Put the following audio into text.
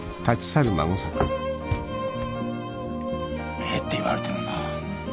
ええって言われてもなあ。